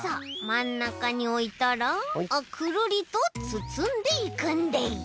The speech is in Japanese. まんなかにおいたらくるりとつつんでいくんでい。